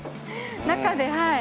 中ではい。